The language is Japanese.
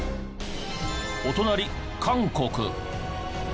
お隣韓国。